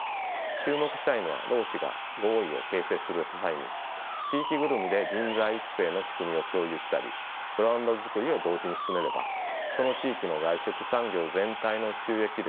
注目したいのは労使が合意を形成する際に地域ぐるみで人材育成の仕組みを共有したりブランドづくりを同時に進めればその地域の外食産業全体の収益力強化が期待できることです。